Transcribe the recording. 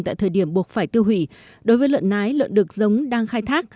tại thời điểm buộc phải tiêu hủy đối với lợn nái lợn đực giống đang khai thác